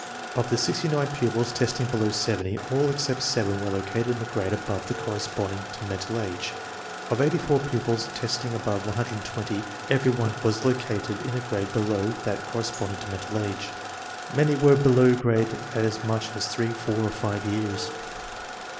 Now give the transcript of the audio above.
Of the sixty nine pupils testing below 70, all except seven were located in a grade above that corresponding to mental age. Of eighty four pupils testing above 120, every one was located in a grade below that cor responding to mental age. Many were below grade as much as three, four, or five years.